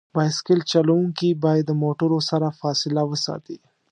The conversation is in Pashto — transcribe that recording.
بایسکل چلونکي باید د موټرو سره فاصله وساتي.